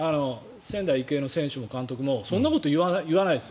仙台育英の選手も監督もそんなこと言わないです。